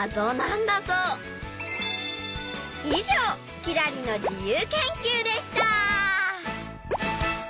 以上「きらりの自由研究」でした！